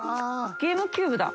ゲームキューブです。